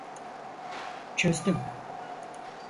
Çözdüm.